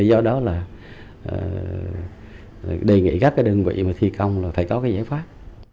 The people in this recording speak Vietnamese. do đó là đề nghị các đơn vị thi công là phải có cái giải pháp